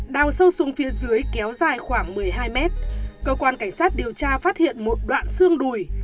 đào sâu xuống phía dưới kéo dài khoảng một mươi hai mét cơ quan cảnh sát điều tra phát hiện một đoạn xương đùi